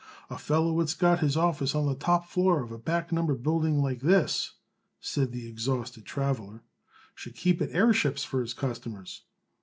"A feller what's got his office on the top floor of a back number building like this," said the exhausted traveler, "should keep it airships for his customers."